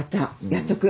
やっとく。